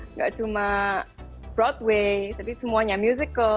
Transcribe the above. nggak cuma broadway tapi semuanya musical